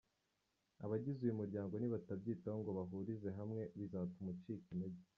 "Abagize uyu muryango nibatabyitaho ngo bahurize hamwe bizatuma ucika intege.